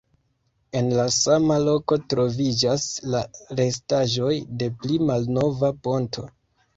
En la sama loko troviĝas la restaĵoj de pli malnova ponto.